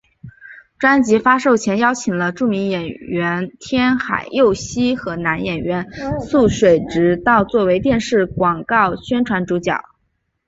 专辑发售前邀请了著名女演员天海佑希和男演员速水直道作为电视广告宣传主角。